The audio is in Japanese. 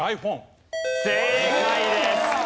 正解です。